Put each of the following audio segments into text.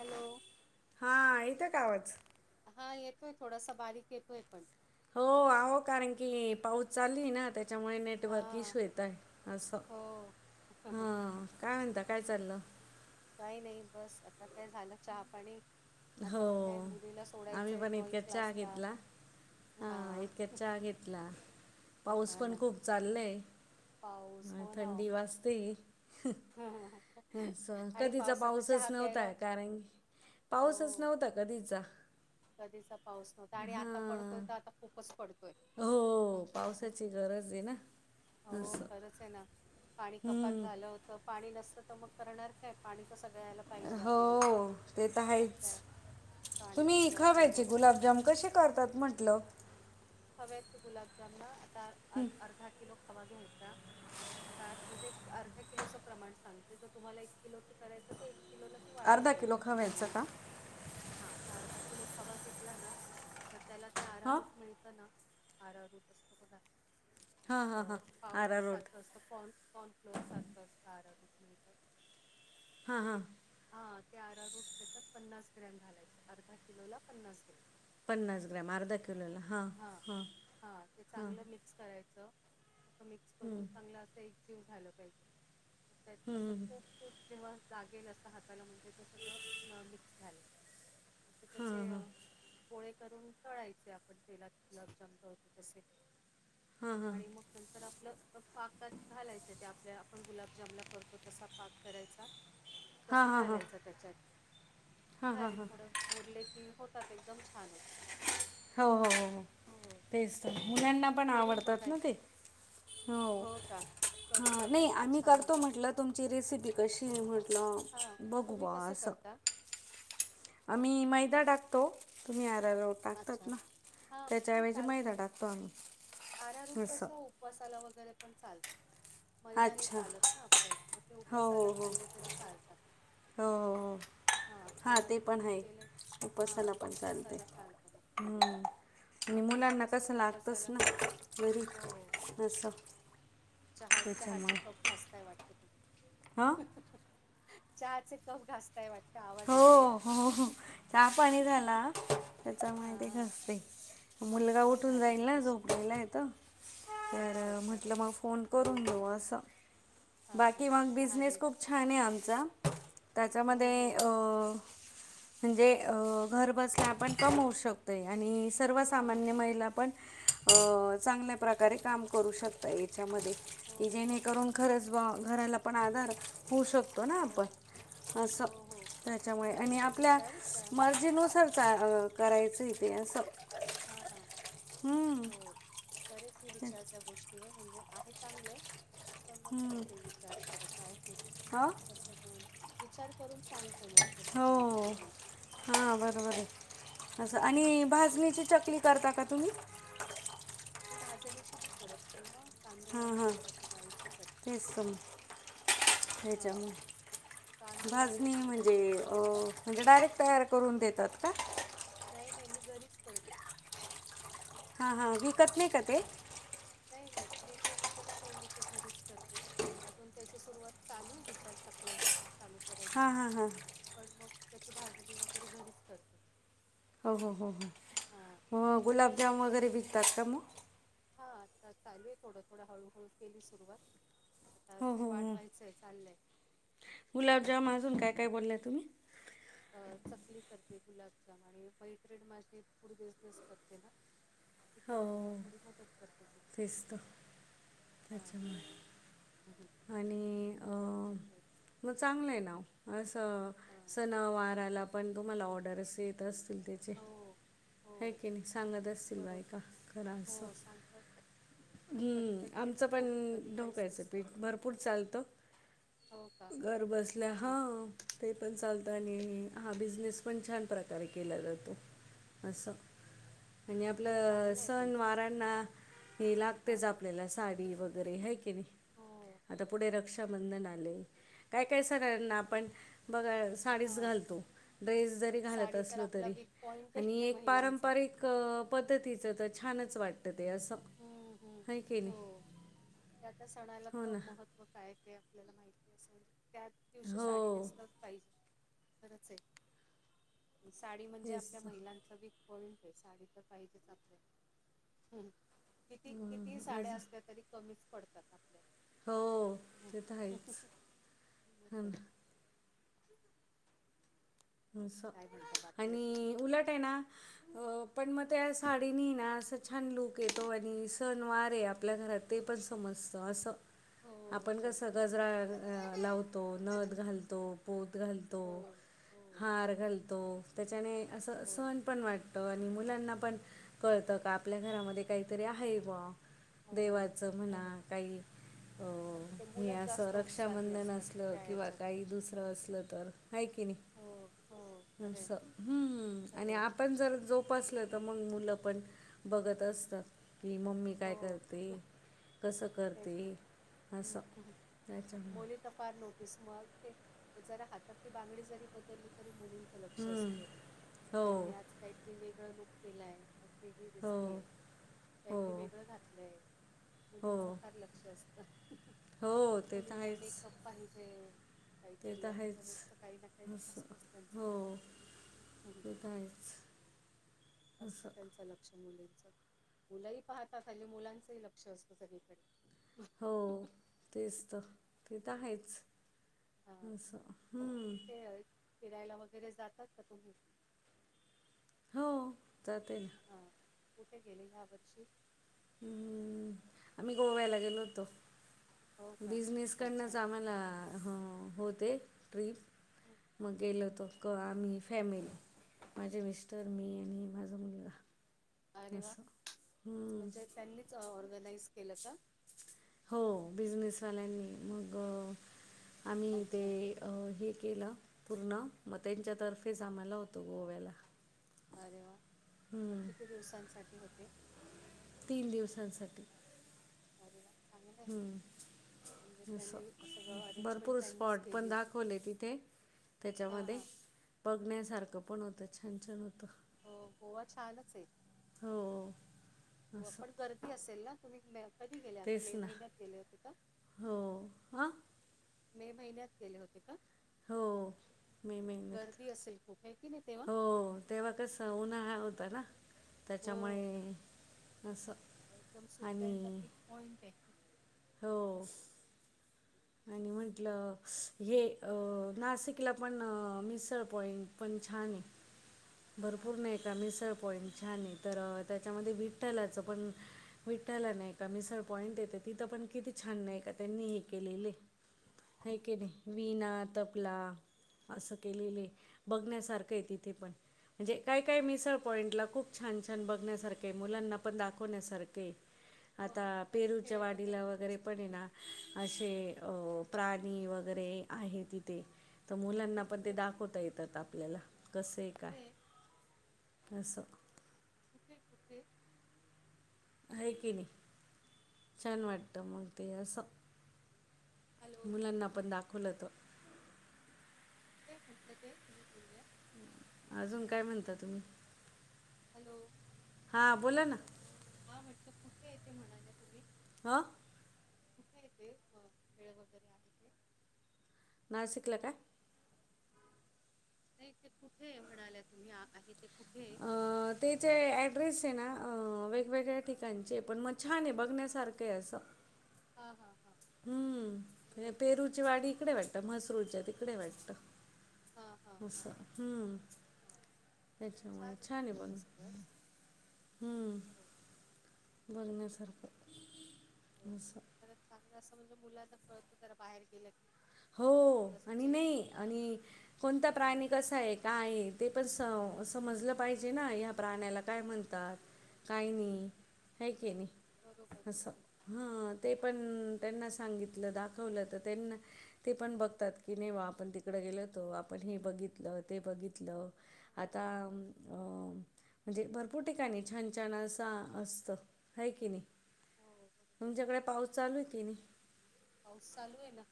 Hello. हा येतोय का आवाज. हा येतोय थोडासा बारीक येतोय पण. हो अहो कारण की पाऊस चालली ना त्याच्यामुळे मेन हा नेटवर्क इश्यू येत आहे असं हो ह काय म्हणता काय चाललं. काही नाही बस आता काय झालं चहा पाणी. हो आता काय मुलीला आम्ही सोडायचंय पण ड्रॉइंग इतक्यात चहा क्लासला. घेतला. हा इतक्यात चहा घेतला पाऊस हा पण ना खूप चाललयं. पाऊस अ हो ना हो. थंडी वास्ते. आणि कधीचा पावसाचा चहा पाऊसच प्यायला नव्हताय कारण हो पाऊसच नव्हता कधीचा कधीचा पाऊस नव्हता आणि आता पडतोय हा. तर आता खूपच पडतोय. हो पावसाची गरज आहे ना असं. चला पाणी कपात हम्म झालं होत पाणी नसतं तर मग करणार काय पाणी तर सगळ्या हेला हो ते तर आहेच काय तुम्ही. पाण्याशिवाय काही खव्याचे होत नाही गुलाबजाम कसे करतात म्हटलं. खव्याचे गुलाबजामन आता अर्धा किलो खवा घ्यायचा. आता म्हणजे अर्ध्या किलोचं प्रमाण सांगते जर तुम्हाला एक किलोच करायचं तर एक किलोला वाढवत अर्धा जायच. किलो खव्याचं का हा तर अर्धा किलो खवा घेतला ना तर त्याला ते आरा हां रूट मिळ आ रूट असत बघ हां हां हां अस आरा पावडर रोड सारखं असत. कॉन कॉन फ्लोर सारखं असणारं रुटन हां ते हां हा ते आरा रूट त्याच्यात पन्नास ग्रॅम घालायच अर्धा किलोला पन्नास ग्रॅम पन्नास ग्रॅम अर्धा हा. हां हां ते चांगलं मिक्स करायचं असं मिक्स करून चांगलं असं एक जीव झालं पाहिजे असं तूप तूप जेव्हा लागेल असं म्हणजे ते सगळं मिक्स झालंय म त्याचे पोळे करून तळायचे आपण तेलात गुलाबजाम टळतो तसे आणि मग नाही. तर आपलं पाकात घालायचं ते आपल्या आपण गुलाबजामला करतो तसा पाक करायचा. [inaudible] तसं हां घालायचं त्याच्यात हां हां झाले हां थोडं मुरले की होतात एकदम छान होतात. हो हो हो हो, तेच तर मुलांना पण करून बघा आवडतात ना ते. एकदा. हो. का? करून हा बघा नाही एकदा आम्ही छान करतो होतात. म्हटलं तुमची रेसिपी कशी म्हटलं हां, तुम्ही बघवा कसं असं करता? आम्ही मैदा टाकतो तुम्ही यारालात अच्छा हा ते चालतं मैदा ते टाकतो आम्ही आरा रूप असं कसं मसाला वगैरे पण चालतो. मैदाने अच्छा चालत ना आपल्याला, मग ते हो उपासाला हो हो खाल्ले तरी चालतात हो, हो, हां, हो ते पण अरारोटचं आहे, केलं हां, उपसाला ते पण उपवासाला चालतयं चालतं मग केलेलं. हम्म नि हां, मैदा मुलांना कसं लागतंच उपवासाला ना घरी हो, असं चहा, चहा चे त्याच्यामुळे कप घासताय वाटते तुम्ही? हां चहाचे कप घासताय वाटतं आवाज हो येतोय. हो हो. चहा पाणी झाला त्याचामुळे ते हां, घासते मुलगा आमचंही उठून झालं जाईल ना मगाशी. झोपलेला हाय तो अच्छा, तर अच्छा. म्हटलं मग फोन हां, करून घेऊ असं हां, हो. बाकी मग लहान बिझनेस आहे ना? खूप छान हाय आमचा, त्याच्यामध्ये [unintelligible] अं, म्हणजे घरबसल्या आपण कमवू शकतोय आणि हां, सर्वसामान्य हां. महिला पण, चांगल्या प्रकारे काम करू शकतं याच्यामध्ये हो, कि जेणेकरून खरंच घराला पण आधार होऊ शकतो ना हो, आपण हो, [unintelligible] हो त्याच्यामुळे करेन आणि मी आपल्या विचार त्या हो. मर्जीनुसार चा करायचं इथे असं हां, हम्म करेत मी विचार त्या गोष्टीवर म्हणजे आहे चांगले पण मग हम्म. करते विचार थोड काय आहे, हो तसं मन विचार करून सांगते मग कसं हो हो काय-काय होईल असं. हां बरोबर हाय असं बरोबर. आणि भाजणीची चकली करता का तुम्ही? मी भाजण्याची नाही करत, मी ना तांदूळ हां आणि हां उडदाच्या डाळीची करते हेच्या हां, म तांदूळ आणि भाजणी म्हणजे उडदाच्या अ, डाळीची. म्हणजे डायरेक्ट तयार करून देतात का? नाही नाही मी घरीच करते हां हां विकत नाही का ते? हां. नाही नाही मी ते विकत नाही मी ते घरीच करते अजून त्याची सुरुवात चालू, विचार चकल्यांचं पण चालू करायच, हां हां हां पण मग त्याची भाजणी वगैरे घरीच करते मी हो, हो, हो, हो, हां हो गुलाबजाम चालू आहे वगैरे आता. विकतात का म? आता चालूयं थोडं थोडं, हळूहळू केली सुरुवात आता हो अजून हो हो वाढवायच चे चाललंय. हम्म. गुलाबजाम अजून काय, काय बोललाय तुम्ही? अ चकली करते गुलाबच्या आणि मैत्रीन माझी फूड बिझनेस करते ना तिच्या हो बरोबर हो, थोडी मदत करते तिला तेच तर हां [unintelligible] हम्म. आणि ते आहे चालू आहे तसं मग थोडं चांगलं आहे थोडं ना, असं हां सन वाराला पण तुम्हाला ऑर्डरस असतील ते हो हो काय केली सांगत असतील बरोबर बायका खरा असं हो सांगतात मग कधी हम्म कधी येतं आमचं पण खूप कधी काहीच धोकायचं नसतं पीठ भरपूर चालतं, हो का घरबसल्या हां ते पण चालतं आणि हा बिझनेस पण छान प्रकारे केला जातो असं म्हणजे हे खरं आपलं चांगलं आहे सण तुमचं वारांना हे हां लागतेच हां आपल्याला साडी वगैरे हाय की नाही हो. हो आता पुढे रक्षाबंधन आले, काय काय सणाना आपण बघा साडीच हां घालतो, ड्रेस जरी घालत साडी तर असलो आपला तरी, वीक पॉइंट आणि आहे एक महिलांचा पारंपरिक पद्धतीचं त छानच वाटत ते असं हम्म हम्म हाय की नाय. हो त्या त्या सणाला त महत्त्व काय ते आपल्याला माहिती असं, म्हणजे त्याच दिवशी हो साडी नेसल पाहिजे खरच ये. साडी म्हणजे तेच आपल्या महिलांचा विक पॉइंट हे साडी त पाहिजेच आपल्याला किती, किती तर साड्या आज असल्या तरी कमीच पडतात आपल्याला हो हम्म. ते त हाईच, मग हो काय. ना अस काय म्हणता बाकी अजून आणि उलट ये ना अ पण म त्या साडीनी ना असं छान लूक येतो. आणि सनवार ये आपल्या घरात ते पण समस्त असं हो आपण हो कसं गजरा लावतो. नथ घालतो. पोत घालतो. हो हो हार घालतो. त्याच्याने असं हो सण पण वाट तो. आणि मुलांना पण कळतं का आपल्या घरामध्ये कायतरी हाये बुआ हो देवाचं म्हणा खरे काई अ अ ते हे मुलंच असं जास्त उत्साही रक्षाबंधन असतात असलं. त्या किंवा याच्यात काही दुसरं असलं तर. हाय की नी हो हो. खरे असं हम्मं आणि खरे आपण जर जोपासल त मंग मुलं पण बघत असतात की, मम्मी काय हो करते? कस तेच ना करते? असं त्याच्यामुळ पार नोटीस मग ते, जरा हातातली बांगडी जरी बदलली तर मुली लक्ष हम्म, असत बरोबर, हो आईने आज कायतरी वेगळं लूक केलाय, आज वेगळी हो दिसतीये. हो काहीतरी वेगळं घातलंय. मुलींच हो फार लक्ष असत. हो ते तर मुलींना आहेच मेकअप पाहिजे. ते काहीतरी त असतं हायेच रोजचं काही ना काही असं, असतंच त्यांचं हो ते त हायेच असतं त्यांचं लक्ष मुलींच, मुलही पाहतात हल्ली मुलांचंही लक्ष असतं सगळीकडे. हो तेच त, ते त हो ना हायेच असं. हूं ते, फिरायला वगैरे जातात का तुम्ही? हो जातोय ना हा, कुठे गेले ह्या वर्षी? हम्म, आम्ही गोव्याला गेलो होतो. हो का अच्छा बिझनेसकडनच आम्हाला हम्म होते हं. ट्रीप मग गेलो होतो. क आम्ही फॅमिली, माझे मिस्टर, मी आणि माझा मुलगा. अरे वा, असं हम्म. म्हणजे त्यांनीच ऑर्गनाइज केलं का? हो. बिझनेसवाल्यांनी मग, आम्ही ते अच्छा अ हे केलं पूर्ण म त्यांच्यातर्फे आम्हाला होत गोव्याला अरे वा! म हम्म. किती दिवसांसाठी होते? तीन दिवसांसाठी अरे वा! चांगलय हूं असं, सगळं अरेंजमेंट भरपूर त्यांनीच स्पॉट पण केली होती दखवले तिथे हां त्याच्यामध्ये हां बघण्यासारखं पण होत, छान छान होतं. हो गोवा छानच हेय हो. हो असं आपण गर्दी असेल ना तुम्ही कधी गेले होते, तेच मे ना महिन्यात गेले होते का? हो हां मे महिन्यात गेले होते का? हो मे महिन्यात गर्दी असेल खूप हे की नाही तेव्हा? हो तेव्हा कसं उन्हाळा होता ना, हो त्याच्यामुळे असं एकदम सुट्ट्यांचा आणि पिक पॉइंट हे हो. आणि म्हटलं हे नाशिकला पण मिसळ पॉईंट पण छान हे हो आहे. भरपूर नाही का मिसळ पॉईंट छान हे, तर त्याच्यामध्ये विठ्ठलाचं पण विठ्ठला नाही का मिसळ पॉईंट आहे तर तिथं पण किती छान नाही का त्यांनी हे केलेले हाय की नाही, वीणा, तबला असं केलेलं हे, बघण्यासारखं आहे तिथे पण. म्हणजे काय काय हो, मिसळ पॉईंटला खूप छान छान बघण्यासारखे मुलांना पण दाखवण्यासारखे हो, आता हल्ली काही पेरूच्या खेळ वाडीला वगैरे असतात पण हे ना तिथे अशे अ प्राणी वगैरे आहे तिथे, तर कुठे मुलांना पण कुठे ते दाखवता येतात आप ल्याला कसं हे काय. कुठे असं कुठे, कुठे आहे कीणी छान हॅलो वाटतं मग ते असं हॅलो मुलांना पण दाखवलं होतं कुठे हे म्हंटलं ते? तुम्ही बोलल्या अजून काय म्हणता तुम्ही? हॅलो. हां बोला ना. हा म्हटलं कुठेय ते म्हणाल्या तुम्ही? हां कुठे हाय ते, खेळ वगैरे आहे ते? नासिकला का? नाही ते कुठे म्हणाल्या तुम्ही आहे ते कुठेयं? तेचे ॲड्रेस आहे ना वेगवेगळ्या ठिकाणचे, पण मग छान आहे बघण्यासारखं आहे असं. हा, हा, हा. हम्म, बरोबर पेरूची वाडी इकडे वाटतं, म्हसरूच्या तिकडे वाटत. हा हा हा असं हम्म. हा त्याच्यामुळं छान आहे तिथलं बघा तर सगळं हम्मं, हो बघण्यासारखं असं तर चांगलं असं म्हणजे मुलांना कळतं जरा बाहेर गेलं की, हो थोडंसं आणि चेंज नाही होतो ना. आणि कोणता प्राणी कसा हेय का आहे, ते पण स समजलं पाहिजे ना, हो या प्राण्याला हो काय म्हणतात काय हो नाही हे कीणी बरोबर अससं, आहे हो हा ते पण तेच. त्यांना सांगितलं दाखवलं तर त्यांना ते पण बघतात, की ने वा आपण तिकडं गेलोतो आपण हे बघितलं ते बघितलं. हो आता अ म्हणजे भरपूर ठिकाणी छान छान असं असत, हे कीणी. हो हो बरोबर आहे तुमच्याकडे पाऊस चालू आहे की नाही. पाऊस चालू आहे ना,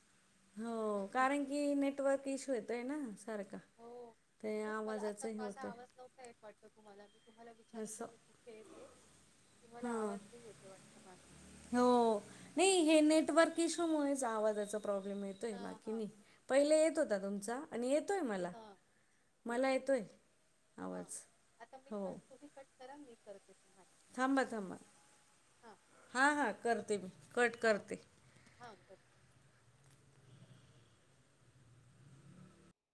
हो. कारण की नेटवर्क इशू येतो ना सारखा. हो. ते तेच मला आवाजाचं आता हे माझा होतंय आवाज नव्हता येत वाट त तुम्हाला मी तुम्हाला विचारत असं होते कुठे ते. तुम्हाला हां. आवाज नाही येते वाटतं माझा. हो. नाही हे हां, नेटवर्क इशूमुळेच आवाजाचा प्रॉब्लेम येतोय हां, बाकी हां. नाही. पहिले येत होता तुमचा आणि येतोय मला, हां, मला येतोय हां. आवाज आता मी हो. कट तुम्ही कट करा, मी करते तुम्हाला थांबा थांबा, हां, हां हां करते मी कट हां, करते. हां. कट